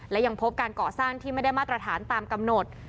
และยังพบการก่อสร้างที่ไม่ได้มาตรฐานตามกำหนด